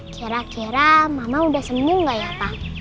kira kira mama udah sembuh gak ya pa